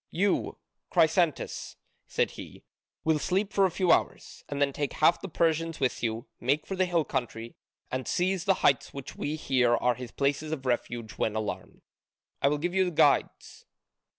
You, Chrysantas," said he, "will sleep for a few hours, and then take half the Persians with you, make for the hill country, and seize the heights which we hear are his places of refuge when alarmed. I will give you guides.